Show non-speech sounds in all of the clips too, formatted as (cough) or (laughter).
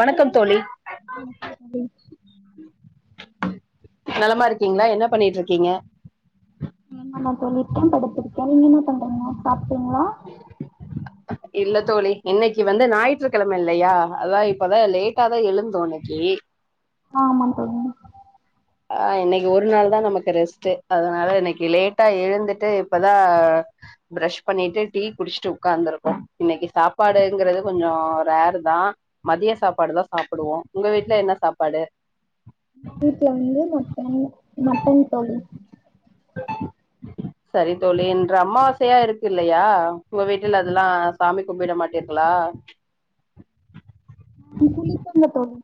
வணக்கம் தோழி வணக்கம் தோழி நலமா இருக்கீங்களா என்ன பண்ணிட்ருக்கீங்க குடிக்காம என்ன பண்றீங்கன்னா சாப்ட்டீங்களா இல்ல தோழி இன்னைக்கு வந்து ஞாயிற்றுக்கிழமை இல்லையா அதா இப்பதா லேட்டாதா எழுந்தோ இன்னைக்கு ஆமாங் தோழி ஆஹ் இன்னைக்கு ஒரு நாள் தா நமக்கு ரெஸ்ட்டுஅதனால இன்னைக்கு லேட்டா எழுந்துட்டு இப்பதா ஃப்ரெஷ் பண்ணிட்டு டீ குடிச்சுட்டு உட்காந்துருக்கோ இன்னைக்கு சாப்பாடுங்கிறது கொஞ்ச ரேர் தா மதிய சாப்பாடு தா சாப்பிடுவோ உங்க வீட்டுல என்ன சாப்பாடு வீட்டு்ல வந்து மட்டன் மட்டன் தோழி சரி தோழி என்ற அம்மாவசையா இருக்கு இல்லையா உங்க வீட்டுல அதெல்லா சாமி கும்பிட மாட்டீர்களா புளிச்சங்க தோழி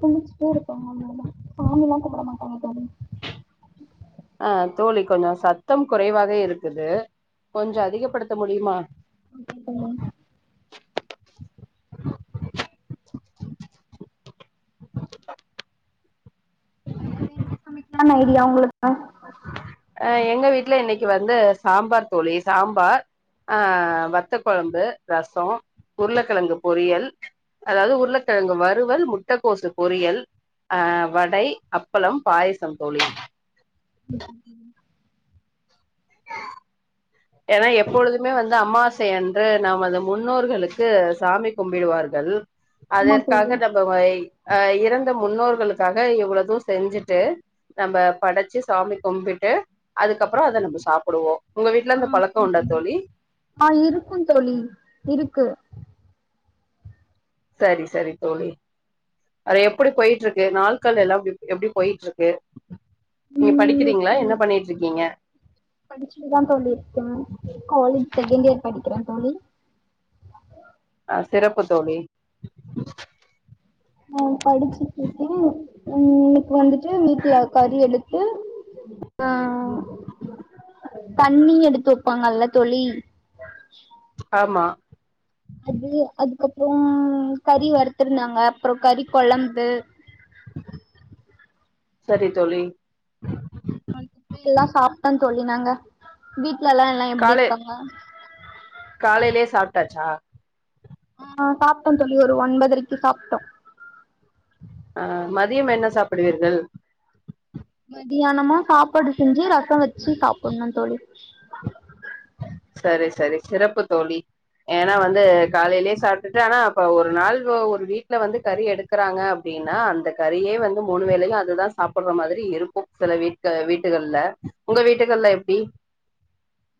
குளிச்சுட்டே இருப்பாங்க மாமா சாமிலா கும்புட மாட்டாங்க தோழி அஹ் தோழி கொஞ்ச சத்தம் குறைவாக இருக்குது கொஞ்ச அதிகப்படுத்த முடியுமா ஓகே தோழி இ என்ன சமை (unintelligible) ஐடியா உங்களுக்கு அஹ் எங்க வீட்டுல என்னைக் வந்து சாம்பார் தோழி சாம்பார் ஆஹ் வத்த கொழம்பு ரச உருளைக்கிழங்கு பொரியல் அதாவது உருளைக்கிழங்கு வறுவல் முட்டக்கோசு பொரியல் அஹ் வடை அப்பளம் பாய்சம் தோழி (inaudible) ஏன்னா எப்பொழுதுமே வந்து அம்மாசை அன்று நாம் அது முன்னோர்களுக்கு சாமி கும்பிடுவார்கள் ஆமா தோழி அதற்காக நம்ம வை அஹ இறந்த முன்னோர்களுக்காக இவ்வளோது செஞ்சுட்டு நம்ம படைச்சு சாமி கும்பிட்டு அதுக்கப்பற அதை நம்ம சாப்டுவோ உங்க வீட்டுல ஆஹ் இருக்கு தோழி இருக்கு சரி சரி தோழி அத எப்படி போயிட்ருக்கு நாட்கள் எல்லா எப் எப்ட போயிட்ருக்கு நீங்க படிக்கிறீங்களா என்ன பண்ணிட்ருக்கீங்க படிச்சுட்டு தா தோழி இருக்கே காலேஜ் செகண்ட் இயர் படிக்கிறே தோழி ஆஹ் சிறப்பு தோழி ஆஹ் படிச்சுட்ருக்கே உம் வந்துட்டு வீட்டுல கறி எடுத்து ஆஹ் தண்ணி எடுத்து வெப்பாங்கல்ல தோழி ஆமா அது அதுக்கப்பற கறி வறுத்துருந்தாங்க அப்பற கறி கொழம்பு (inaudible) சரி தோழி அ எல்லா சாப்ட்டா தோழி நாங்க வீட் காலே காலையிலே சாப்ட்டாச்சா ஆஹ் சாப்ட்டோ தோழி ஒரு ஒன்பதுரைக்கு சாப்ட்டோ அஹ் மதியம் என்ன சாப்பிடுவீர்கள் மதியியானமா சாப்பாடு செஞ்சு ரச வச்சு சாப்ப ணு தோழி சரி சரி சிறப்பு தோழி ஏன்னா வந்து காலையிலயே சாப்பிட்டுட்டு ஆனா அப்ப ஒரு நாள் ஒரு வீட்டுல வந்து கறி எடுக்கறாங்க அப்டின்னா அந்த கறியே வந்து மூணு வேளையு அதுதா சாப்டுற மாரி இருக்கு சில வீட்டு வீட்டுகள்ல உங்க வீட்டுகள்ல எப்டி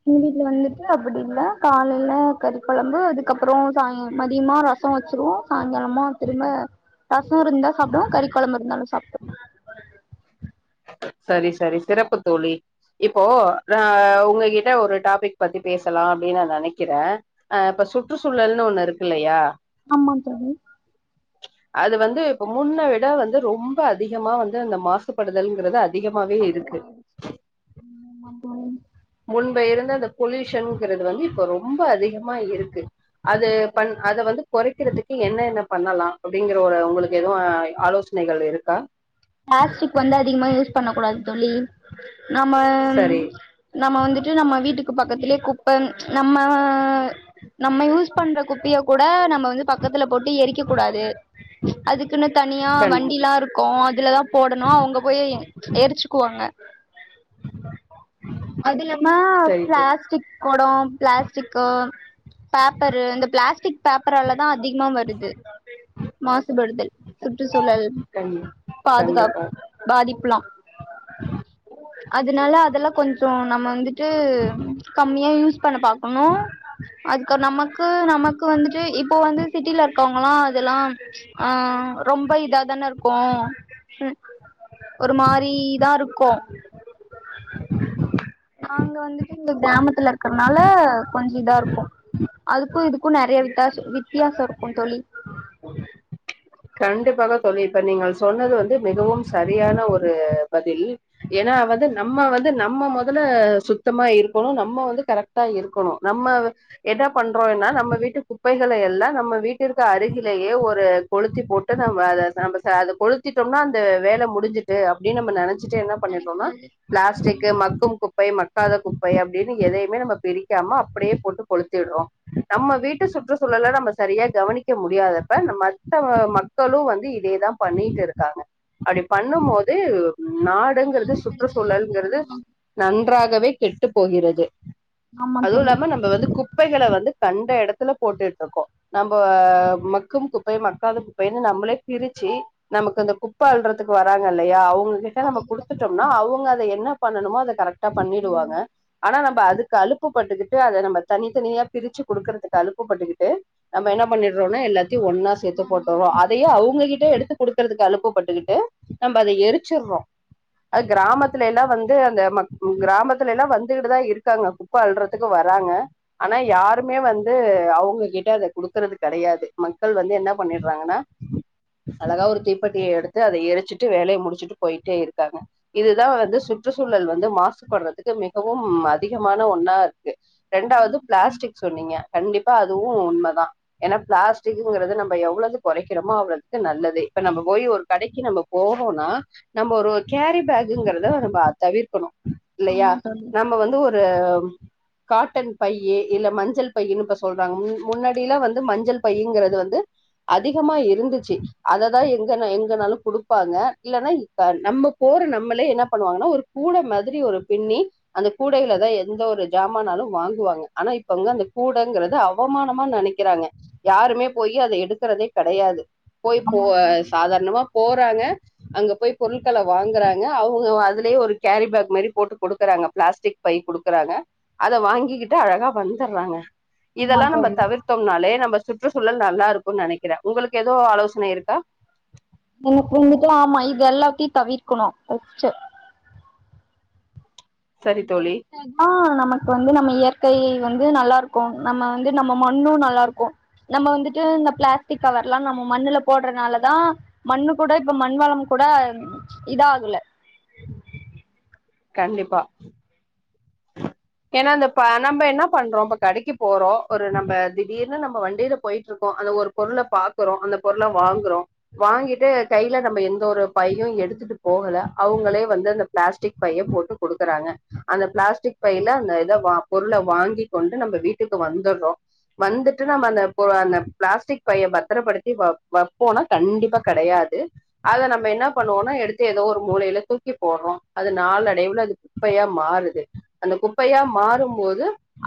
எங்க வீட்டுல வந்துட்டு அப்படி இல்ல காலையில கறிக்கொழம்பு அதுக்கப்பற சாய மதியமா ரச வச்சிருவோ சாயங்காலமா திரும்ப ரச இருந்தா சாப்டுவோ கறி கொழம்பு இருந்தாலு சாப்டுவோ சரி சரி சிறப்பு தோழி இப்போ நா உங்ககிட்ட ஒரு டாபிக் பத்தி பேசலா அப்டின்னு நா நெனைக்கறே ஆஹ் இப்ப சுற்றுசூழல்னு ஒண்ணு இருக் இல்லையா ஆமா தோழி அது வந்து இப்ப முன்ன விட வந்து ரொம்ப அதிகமா வந்து அந்த மாசுபடுத் தல்ங்கிறது அது அதிகமாயிடுச் உம் இப்ப இருந்த அந்த பொல்யூஷன்ங்கிறது வந்து இப்ப ரொம்ப அதிகமா இருக்கு அது பண் அத வந்து கொறைக்கிறதுக்கு என்ன என்ன பண்ணலா அப்டிங்கற ஒரு உங்களுக்கு எதுவு ஆலோசனைகள் இருக்கா பிளாஸ்டிக் வந்து அதிகமா யூஸ் பண்ண கூடாது தோழி நாம சரி நம்ம வந்து நம்ம வீட்டுக்கு பக்கத்திலே குப்ப நம்ம நம்ம யூஸ் பண்ற குப்பையை கூட நம் ம்ம வந்து பக்கத்துல போட்டு எரிக்கக்க கூடாது அதுக்குன்னு தனியா கண் வண்டிலா இருக்கு அது இதுலதா போடணு அவ்ங்க போய் எ எருச்சுக்குவாங்க அது இல்லாம சரி தோழி பிளாஸ்டிக் கொடோ பிளாஸ்டிக்கோ பேப்பரு இந்த பிளாஸ்டிக் பேப்பராலதா அதிகமா வருது மாசுபடுதல் சுற்றுசூழல் கண் பாதுகாப் கண்டிப்பா பாது ப்பலா அதனால அதெல்லா கொஞ்சோ நம்ம வந்து ட்டு கம்மியா யூஸ் பண்ண பாக்கணு அதுக் நமக்கு நமக்கு வந்துட்டு இப்ப வந்து சிட்டில இருக்கவங் லா அதெல்லா ஆஹ் ரொம்ப இது இதாதான இருக்கு ஹம் ஒரு மாரிதா இருக்கு நாங்க வந்துட்டு இங்க கிராமத்துல இருக்கறனால கொஞ்சோ இதாருக்கு அதுக்கு இதுக்கு நெறயா வித்தாச வித்தியாச இருக்கு தோழி கண்டிப்பாக தோழி இப்ப நீங்கள் சொன்னது வந்து மிகவும் சரியான ஒரு பதில் ஏன்னா வந்து நம்ம வந்து நம்ம மொதல சுத்தமா இருக்கோணு நம்ம வந்து கரெக்டா இருக்கணு நம்ம எத பண்றோனா நம்ம வீட்டு குப்பைகளை எல்லா நம்ம வீட்டிற்கு அருகிலேயே ஒரு கொளுத்தி போட்டு நம்ம அத நம்ம அத கொளுத்திட்டம்னா அந்த வேல முடிஞ்சுட்டு அப்டின்னு நம்ம நெனச் ச்சுடு என்ன நெனைக்க பண்ணிடுனா கூடாது ம் பிளாஸ்டிக் மக்கும் குப்பை மக் காத குப்பை அப்டின்னு எதையுமே நம்ம பிரிக்காம அப்டியே போட்டு கொளுத்திடரோ நம்ம வீட்டு சுற்றுசூழல நம்ம சரியா கவனிக்க முடியாதப்ப நம்ம க் ஆ மக்களு வந்து இதேதா பண்ணிட்டு இருக்காங்க அப்டி பண்ணும் போது நாடுங்றது மாசுபடுதல் சுற்றுசூழல்ங்றது அதிகமா நந் நன்றாகவே கெட்டு போகிறது ஆமா அதுவு தோழி இல்லாம நம்ம வந்து குப்பைகள வந்து கண்ட எடத் இதுல போட்டுட்ருக்கோ நம்மோ மக்கும் குப் ப்பை மக்காத குப்பைன்னு நம்மளே பிரிச்சு நமக்கு இந்த குப்ப அல்றதுக்கு வராங்கல்லையா அவ் உங்கிட்ட ஆமா நம்ம கொடுத்துட்டம்னா அவங்க அத என்னா பண்ணுணமோ அது கரெக்ட் ட்டா பண்ணிடுவாங்க ஆனா நம்ம அது இதிக் அழுப்பு பட்டுக்கிட்டு அத நம்ம தனித்தனியா பிரிச்சு கொடுக்கறதுக்கு அழுப்புபட்டுக்கிட்டு நம்ம என்ன பண்ணிடுறோன்னு எல்லாத்தையு ஒண்ணு தெத்து போட்டோவோ தோழி அதயே அவங்ககிட்டயு எடுத்து குடுக்குறதுக்கு அலுப்பப்பட்டுக்கிட்டு நம்ம அத எரிச்சடுறோ அது கிராமத்துல எல்லாம் வந்து அந்த மக் கிராமத்துல எல்லாம் வந்துகிட்டுதா இருக்காங்க குப்பை அல்றதுக்கு வராங்க ஆனா யாருமே வந்து அவங்க கிட்ட அத குடுக்கறது கிடையாது மக்கள் வந்து என்ன பண்ணிடுறாங்கன்னா அழகா ஒரு தீப்பெடிய எடுத்து அத எரிச்சிட்டு வேலய முடிச்சுட்டு போயிட்டே இருக்காங்க இதுதா வந்து சுற்றுச்சூழல் வந்து மாசுபடுறதுக்கு மிகவு அதிகமான ஒண்ணா இருக்கு ரெண்டாவது பிளாஸ்டிக் சொன்னீங்க கண்டிப்பா அதுவு உ உண்மைதா ஏன்னா பிளாஸ்டிக்ங்கிறது நம்ம நம் எவ்வளவு குறைக்கிறோமோ அவ்வளவுக்கு நல்லது இப்ப நம்ம போய் ஒரு கடைக்கு நம்ம போறோம்ன்னா நம்ம ஒரு கேரி பேக்ங்கறத நம்ம தவிர்க்கணு இல்லையா ஆமா தோழி நம்ம வந்து ஒரு காட்டன் பையே இல்ல மஞ்சள் பையன்னு இப்ப சொல்றாங் முன்னாடியிலா வந்து மஞ்சள் பையங்கிறது வந்து அதிகமா இருந்துச்சு அததா எங்க எங்கனாலு குடுப்பாங்க இல்ன்னா நம்ம போற நம்மளே என்ன பண்ணுவாங்கன்னா ஒரு கூடை மாரி ஒரு பின்னி அந்த கூடைையிலதா எந்த ஒரு ஜமானாலு வாங்குவாங்க ஆனா இப்பங்க அந்த கூடங்கறிறது அவமானமா நெனைக்கிறாங்க யாருமே போய் அதை எ எடுக்கிறதே கெடையாது போய் போ ஆமா சாதாரணமா போறாங்க அங்க போய் பொருட்களை வாங்குறாங்க அவங்க அதுலயே ஒரு கேரி பேக் மாரி போட்டு குடுக்குறாங்க பிளாஸ்டிக் பை குடுக்குறாங்க அத வாங்கிக்கிட்டு அழகா வந்துடுறாங்க இதெல்லா நம்ம தோழி தவிர்த்தோம்னாலே நம்ம சுற்றுச்சூழல் நல்லாருக்கு நெனைக்கிறே உங்களுக்கு ஏதோ ஆலோசனை இருக்கா எனக்கு வந்துட்டு ஆமா இது எல்லாத்தையு தவிர்க்கணு பஷ்ட்டு சரி தோழி ஆஹ் நமக்கு வந்து நம்ம இயற்கை வந்து நல்லாருக்கு நம்ம வந்து நம்ம மண்ணு நல்லா இருக்கு நம்ம வந்துட்டு இந்த பிளாஸ்டிக் கவர் எல்லா நம்ம மண்ணுல போடுறதுனாலதா மண்ணு கூட இப்ப மண் வள கூட இதாகல கண்டிப்பா ஏன்னா அந்த நம்ம என்ன பண்றோம் இப்ப கடைக்கு போறோம் ஒரு நம்ம திடீர்னு நம்ம வண்டியில போயிட்டு இருக்கோ அந்த ஒரு பொருளை பாக்குறோ அந்த பொருள வாங்குறோ வாங்கிட்டு கையில நம்ம எந்த ஒரு பையும் எடுத்துட்டு போகல அவங்களே வந்து அந்த பிளாஸ்டிக் பைய போட்டு கொடுக்குறாங்க அந்த பிளாஸ்டிக் பிளாஸிக் பையில அந்த இதை பொருள வாங்கி கொண்டு நம்ம வீட்டுக்கு வந்துடுறோ வந்துட்டு நம்ம அந்த அந்த பிளாஸ்டிக் பையை பத்திரப்படுத்தி வ வைப்போம்னா கண்டிப்பா கெடையாது அத நம்ம என்ன பண்ணுவோம்னா எடுத்து ஏதோ ஒரு மூளையில தூக்கி போடுறோ அது நாலடைவுல அது குப்பையா மாறுது அந்த குப்பையா மாறும்போது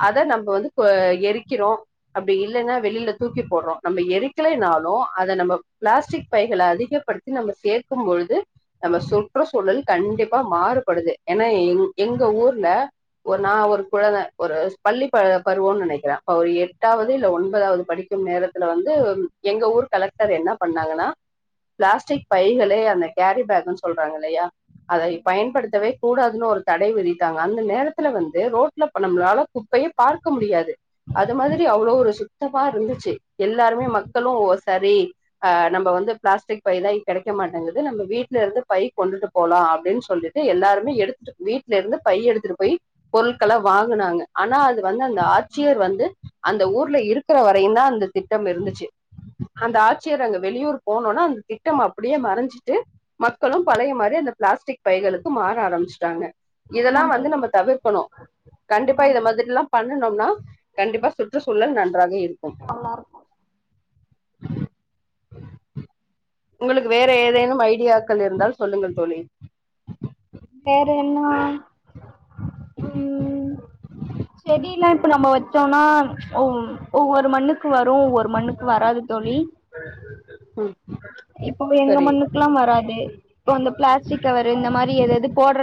அத நம்ம வந்து கு எரிக்கிறோ அப்டி இல்லைன்னா வெளியில தூக்கி போடுறோ நம்ம எரிக்கலைனாலு அத நம்ம பிளாஸ்டிக் பைகளை அதிகப்படுத்தி நம்ம சேக்கு பொழுது நம்ம சுற்ற சூழல் கண்டிப்பா மாறுபடுது ஏன்னா எங எங்க ஊர் ஒ நா ஒரு குழந்தை ஒரு பள்ளி பா பருவ நெனைக்கிறே எட்டாவது இல்ல ஒன்பதாவது படிக்கு நேரத்துல வந்து எங்க ஊர் கலெக்டர் என்ன பண்ணாங்கன்னா பிளாஸிக் பைகள அந்த கேரி பேக் சொல்றாங்கல்லையா அதை பயன்படுத்தவே கூடாதுன்னு ஒரு தடை விதித்து ந்த நேத்து வந்து ரோடல இப்ப நம்மளால குப்பையை பார்க்க முடியாது அது மாதிரி அவ்ளோ ஒரு சுத்தமா இருந்துச்சு எல்லாருமே மக்களும் சரி ஆஹ் நம்ம வந்து பிளாஸ்டிக் பைதா கெடைக்க மாட்டேங்குது நம்ம வீட்டுல இருந்து பை கொண்டுட்டு போகலா அப்டின்னு சொல்லிட்டு எல்லாருமே எடுத்துட்டு வீட்டுல இருந்து பைய எடுத்துட்டு போய் பொருட்கள வாங்குனாங்க ஆனா அது வந்து அந்த ஆட்சியர் வந்து அந்த ஊர்ல இருக்கிற வரையு தான் அந்த திட்டம் இருந்துச்சு அந்த ஆட்சியர் அங்க வெளியூர் போனோனா அந்த திட்டம் அப்டியே மறைஞ்சிட்டு மக்களு பழைய மாதிரி அந்த பிளாஸ்டிக் பைகளுக்கு மாற ஆரம்பிச்சுட்டாங்க இதெல்லா ஆமா வந்து தோழி நம்ம தவிர்க்கணு கண்டிப்பா ஆமா இத தோழி மாதிரில்லா பண்ணனோம்னா கண்டிப்பா சுற்றுச்சூழல் நன்றாக இருக்கும் நல்லா இருக்கு உங்களுக்கு வேற ஏதேனு ஐடியாக்கள் இருந்தால் சொல்லுங்கள் தோழி வேற என்னா உம் செடில்லா இப்ப நம்ம வச்சோன்னா ஒவ் ஒவ்வொரு மண்ணுக்கு வரு ஒரு மண்ணுக்கு வராது தோழி ம் இப்ப எங்க சரி மண்ணுக்குகெல்லா வராது இப்ப அந்த பிளாஸ்டிக் கவரு இந்த மாரி எ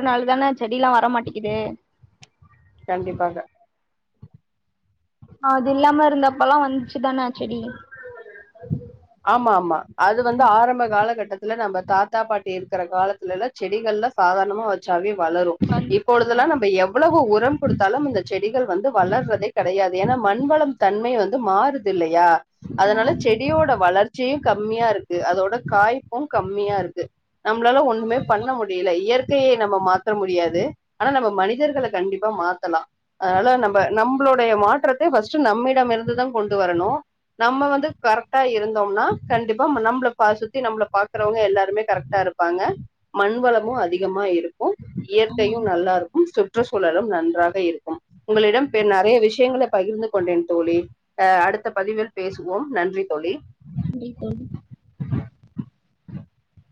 நாள் தானே செடியல்லா வரமாட்டேக்குது கண்டிப்பாக ஹ் அது இல்லாம இருந்தப்பல்லா வந்ச்சு க்குதான செடி ஆமா ஆமா அது வந்து ஆரம்ப காலகட்டத் இல்ல நம்ம தாத்தா பாட்டி இருக்கிற காலத்துலல்லா செடிகள்ல சாதாரணமா வச்சாவே வளரும் வந் வந்துரு இப்பொழுதெல்லா நம்ம எவ்வளவு உர் உரம் கொடுத்தாலு இந்த செடிகள் வந்து வளர்றதே கெடையாது ஏன்னா மண்வளம் தன்மை வந்து மாறுதுல்லையா அதனால செடியோட வர்ச்சியு கம்மியா இருக்கு அதோட காய்ப்பு கம்மியா இருக்கு நம்மளால ஒண்ணுமே பண்ண முடியல இயற் ந மாத்த முடியாது ஆனா நம்ம மனிதர்கள கண்டிப்பா மாத்தலா அதனால நம்ம நம்மளுடைய மாற்றத்தை ஃபர்ஸ்ட் நம்மிடம் இருந்துத கொண்டு வரணும் நம்ம வந்து கரெக்டா இருந் தோம்னா கண்டிப்பா ப நம் சுத்தி நம்ம பாக்கறவங்க எல்லாருமே கரெக்டா இருப்பாங்க மண் வளமும் அதிகமா இருக் கும் ஆமா இயற்கையு நல்லாருக்கு (unintelligible) சுற்றுச்சூழலும் நன்றாக இருக்கும் உங்களிடம் பே நறைய விஷயங்கள பகிர்ந்து கொண்டேன் தோழி ஆ அடுத்த பதிவில் பேசுவோம் நன்றி தோழி கண்டிப்பா (inaudible)